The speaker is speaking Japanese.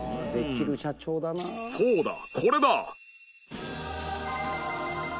そうだこれだ！